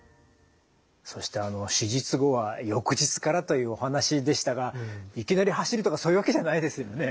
そして手術後は翌日からというお話でしたがいきなり走るとかそういうわけじゃないですよね？